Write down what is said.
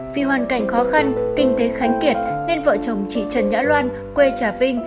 vì hoàn cảnh khó khăn kinh tế khánh kiệt nên vợ chồng chị trần nhã loan quê trà vinh